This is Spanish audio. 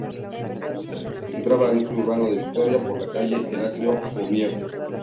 Entraba al núcleo urbano de Vitoria por la Calle Heraclio Fournier.